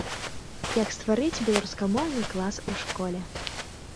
Як стварыць беларускамоўны клас у школе.